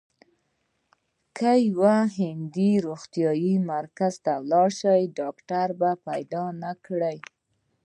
که یو هندی روغتیايي مرکز ته لاړ شي ډاکټر پیدا نه کړي.